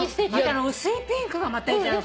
薄いピンクがまたいいじゃん。